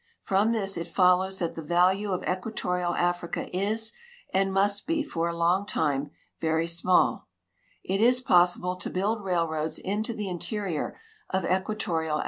From this it follows that the value of eipiatorial Africa is and must be for a long time very small It is possible to build railroads into the interior of efpiatorial